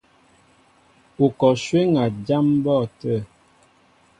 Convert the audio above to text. Ú kɔ shwéŋ a jám mbɔ́ɔ́tə̂.